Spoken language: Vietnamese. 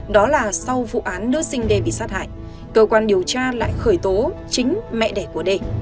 đó là sau vụ án nước sinh đê bị sát hại cơ quan điều tra lại khởi tố chính mẹ đẻ của đê